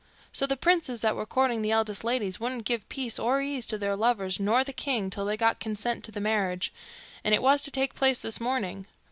So the princes that were courting the eldest ladies wouldn't give peace or ease to their lovers nor the king till they got consent to the marriage, and it was to take place this morning.